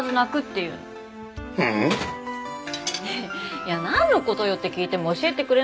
いや「なんの事よ？」って聞いても教えてくれなくて。